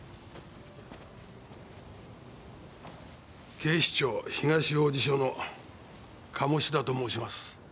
警視庁東王子署の鴨志田と申します。